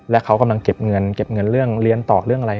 และเขากำลังเก็บเงินเก็บเงินเรื่องเรียนต่อเรื่องอะไร